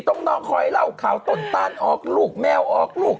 น้องคอยเล่าข่าวต้นตานออกลูกแมวออกลูก